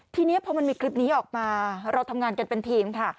ทีนี้พอมันมีคลิปนี้ออกมาเราทำงานกันเป็นทีมค่ะ